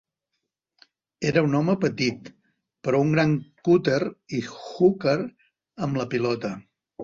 Era un home petit, però un gran cutter i hooker amb la pilota.